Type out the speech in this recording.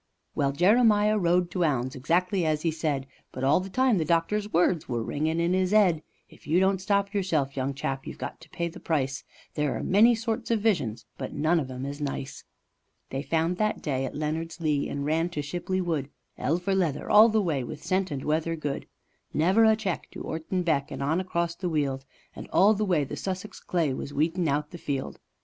Well, Jeremiah rode to 'ounds, exactly as 'e said. But all the time the doctor's words were ringin' in 'is 'ead — "If you don't stop yourself, young chap, you've got to pay the price, There are many sorts of visions, but none of 'em is nice." They found that day at Leonards Lee and ran to Shipley Wood, 'Ell for leather all the way, with scent and weather good. Never a check to 'Orton Beck and on across the Weald, And all the way the Sussex clay was weed in' out the field.